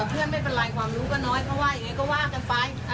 เพื่อนไม่เป็นไรความรู้ก็น้อยเพราะว่าอย่างนี้ก็ว่ากันไป